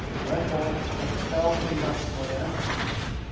3:9 Wherefore dost thou beat us for them?